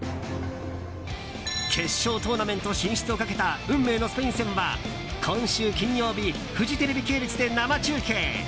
決勝トーナメント進出をかけた運命のスペイン戦は今週金曜日フジテレビ系列で生中継。